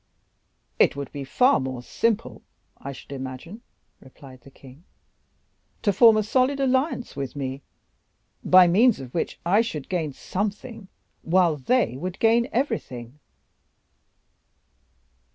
"It would be far more simple, I should imagine," replied the king, "to form a solid alliance with me, by means of which I should gain something, while they would gain everything."